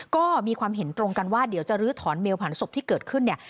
ก็มีความเห็นตรงกันว่าเดี๋ยวจะลื้อถอนเมลผันศพที่เกิดขึ้นเนี่ย